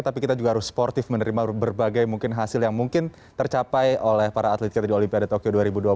tapi kita juga harus sportif menerima berbagai mungkin hasil yang mungkin tercapai oleh para atlet kita di olimpiade tokyo dua ribu dua puluh